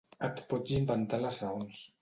Et pots inventar les raons.